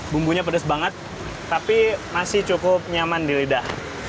bumbunya pedas banget tapi masih cukup nyaman di lidah